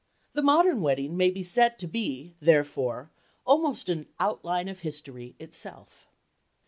The modern wedding may be said to be, therefore, almost an "Outline of History" itself.